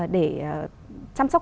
để chăm sóc